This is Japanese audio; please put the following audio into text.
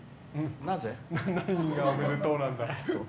なぜ？